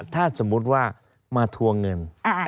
ถ้าสมมุติว่ามาทวงเงิน